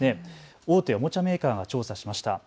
大手おもちゃメーカーが調査しました。